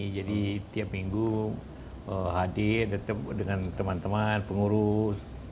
jadi tiap minggu hadir dengan teman teman pengurus